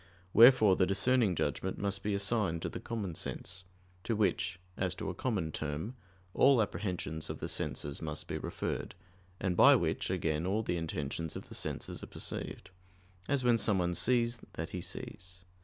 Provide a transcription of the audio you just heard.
Wherefore the discerning judgment must be assigned to the common sense; to which, as to a common term, all apprehensions of the senses must be referred: and by which, again, all the intentions of the senses are perceived; as when someone sees that he sees.